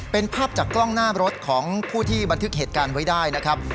เป็นภาพจากกล้องหน้ารถของผู้ที่บันทึกเหตุการณ์ไว้ได้นะครับ